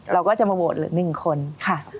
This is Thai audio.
เราก็จะมาโหลดหนึ่งคนค่ะ